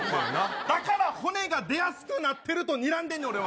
だから骨が出やすくなってるとにらんどんねん、俺は。